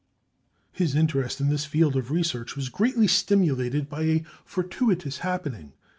His interest in this field of research was greatly stimulated by a fortuitous happening.